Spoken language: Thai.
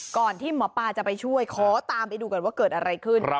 ที่หมอปลาจะไปช่วยขอตามไปดูก่อนว่าเกิดอะไรขึ้น